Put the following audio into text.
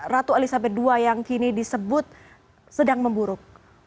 ratu elizabeth ii yang kini disebut sedang memburuk